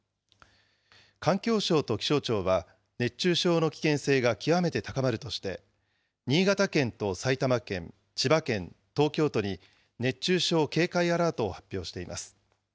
環境省と気象庁は、熱中症の危険性が極めて高まるとして、新潟県と埼玉県、千葉県、東京都に熱中症警戒アラートを発表しています。